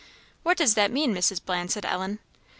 "What does that mean, Mrs. Bland?" said Ellen.